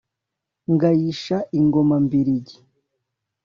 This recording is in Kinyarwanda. Ngayisha ingoma mbiligi